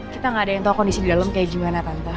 kita gak ada yang tahu kondisi di dalam kayak gimana tante